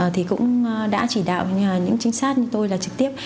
thì cũng đã chỉ đạo những chính sát như tôi là trực tiếp